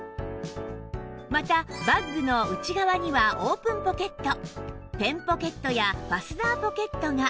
またバッグの内側にはオープンポケットペンポケットやファスナーポケットが